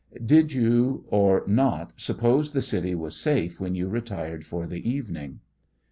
Did you or not suppose the city was safe when you retired for the evening